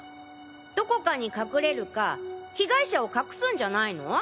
どこかに隠れるか被害者を隠すんじゃないの？